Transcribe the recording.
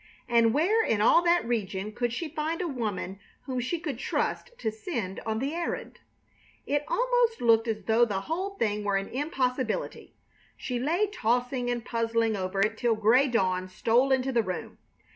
And where in all that region could she find a woman whom she could trust to send on the errand? It almost looked as though the thing were an impossibility. She lay tossing and puzzling over it till gray dawn stole into the room.